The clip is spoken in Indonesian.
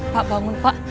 pak bangun pak